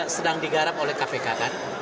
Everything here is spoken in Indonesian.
sedang digarap oleh kpk kan